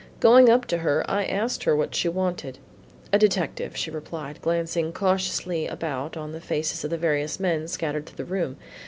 Going up to her, I asked her what she wanted. "A detective," she replied, glancing cautiously about on the faces of the various men scattered through the room.